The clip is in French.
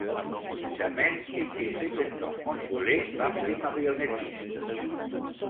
Sa main était cependant contrôlée par des marionnettistes.